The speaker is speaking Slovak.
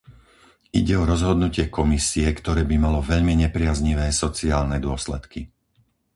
Ide o rozhodnutie Komisie, ktoré by malo veľmi nepriaznivé sociálne dôsledky.